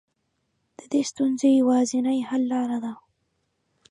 د دې ستونزې يوازنۍ حل لاره ده.